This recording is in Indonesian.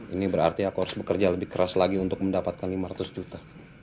ini berarti aku harus bekerja lebih keras lagi untuk mendapatkan lima ratus juta